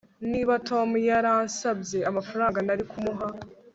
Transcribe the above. niba tom yaransabye amafaranga, nari kumuha